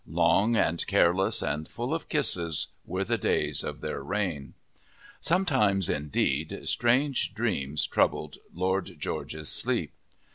Long and careless and full of kisses were the days of their reign. Sometimes, indeed, strange dreams troubled Lord George's sleep.